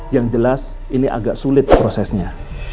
yang jelas ini agak sulit prosesnya